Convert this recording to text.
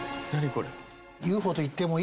これ」